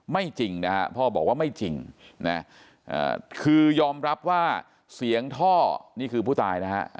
จริงนะฮะพ่อบอกว่าไม่จริงนะคือยอมรับว่าเสียงท่อนี่คือผู้ตายนะฮะ